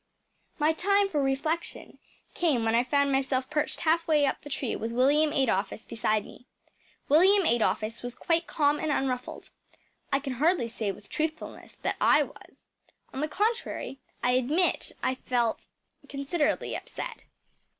My time for reflection came when I found myself perched half way up the tree with William Adolphus beside me. William Adolphus was quite calm and unruffled. I can hardly say with truthfulness what I was. On the contrary, I admit that I felt considerably upset.